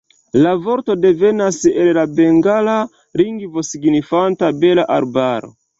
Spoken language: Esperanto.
La vorto devenas el la bengala lingvo signifanta "bela arbaro".